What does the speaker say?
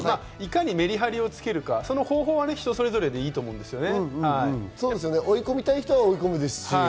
いかにメリハリを取るか方法は人それぞれでいいと思うんですね。